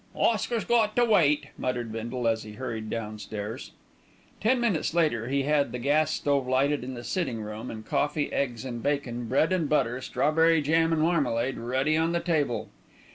"Oscar's got to wait," muttered Bindle as he hurried downstairs. Ten minutes later he had the gas stove lighted in the sitting room, and coffee, eggs and bacon, bread and butter, strawberry jam and marmalade ready on the table.